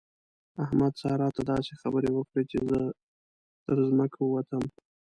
احمد؛ سارا ته داسې خبرې وکړې چې زه تر ځمکه ووتم.